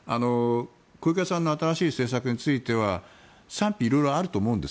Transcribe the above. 小池さんの新しい政策については賛否色々あると思うんです。